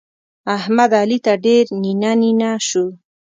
احمد؛ علي ته ډېر نينه نينه سو.